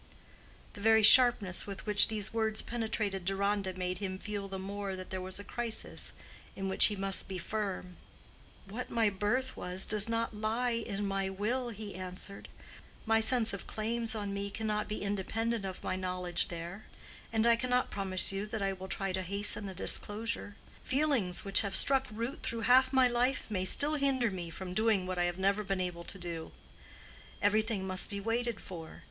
_" The very sharpness with which these words penetrated Deronda made him feel the more that here was a crisis in which he must be firm. "What my birth was does not lie in my will," he answered. "My sense of claims on me cannot be independent of my knowledge there. And I cannot promise you that I will try to hasten a disclosure. Feelings which have struck root through half my life may still hinder me from doing what I have never been able to do. Everything must be waited for.